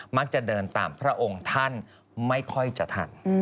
มักจะเดินตามพระองค์ท่านไม่ค่อยจะทัน